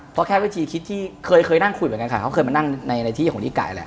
เพราะแค่วิธีคิดที่เคยนั่งคุยเหมือนกันค่ะเขาเคยมานั่งในที่ของพี่ไก่แหละ